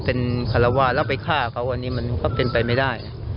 เป็นคารวาสแล้วไปฆ่าเขาอันนี้มันก็เป็นไปไม่ได้